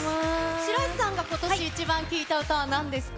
白石さんが今年イチバン聴いた歌はなんですか？